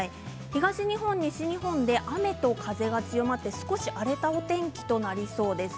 東日本、西日本で雨と風が強まって少し荒れたお天気となりそうです。